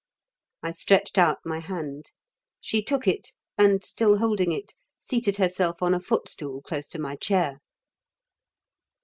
I stretched out my hand. She took it, and, still holding it, seated herself on a footstool close to my chair.